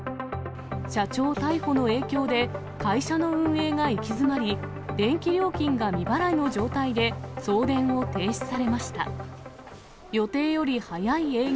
社長逮捕の影響で、会社の運営が行き詰まり、電気料金が未払いの状態で送電を停止されました。